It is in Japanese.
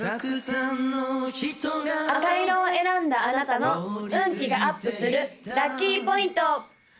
赤色を選んだあなたの運気がアップするラッキーポイント！